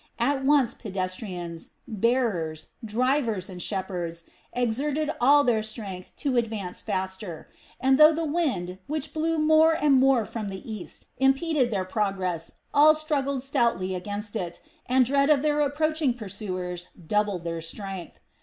At once pedestrians, bearers, drivers, and shepherds exerted all their strength to advance faster; and though the wind, which blew more and more from the east, impeded their progress, all struggled stoutly against it, and dread of their approaching pursuers doubled their strength.